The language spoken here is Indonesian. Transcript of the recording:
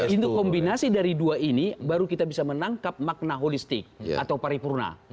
itu kombinasi dari dua ini baru kita bisa menangkap makna holistik atau paripurna